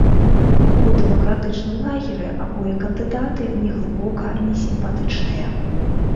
У дэмакратычным лагеры абое кандыдаты мне глыбока несімпатычныя.